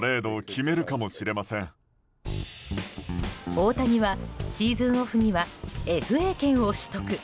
大谷はシーズンオフにはＦＡ権を取得。